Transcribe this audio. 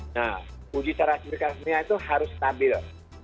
nah uji secara fisika dan kimia itu harus stabil